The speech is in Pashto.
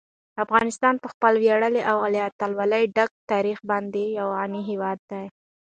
افغانستان په خپل ویاړلي او له اتلولۍ ډک تاریخ باندې یو غني هېواد دی.